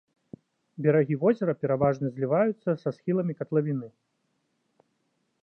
Берагі возера пераважна зліваюцца са схіламі катлавіны.